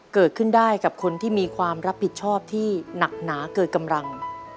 เกิดขึ้นได้กับคนที่มีความรับผิดชอบที่หนักหนาเกิดกำลัง